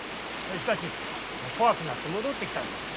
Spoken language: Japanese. しかし怖くなって戻って来たんです。